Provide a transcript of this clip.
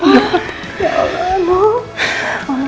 ya allah mau